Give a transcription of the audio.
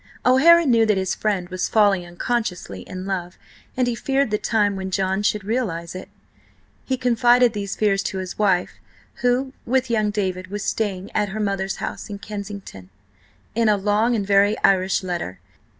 O'Hara knew that his friend was falling unconsciously in love, and he feared the time when John should realise it. He confided these fears to his wife, who, with young David, was staying at her mother's house in Kensington, in a long and very Irish letter.